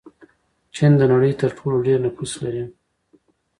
چین د نړۍ تر ټولو ډېر نفوس لري.